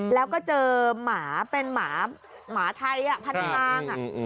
แล้วก็เจอหมาเป็นหมาไทยพันทาง